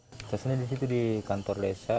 nge charge nya di kantor desa